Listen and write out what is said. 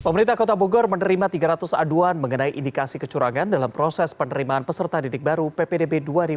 pemerintah kota bogor menerima tiga ratus aduan mengenai indikasi kecurangan dalam proses penerimaan peserta didik baru ppdb dua ribu dua puluh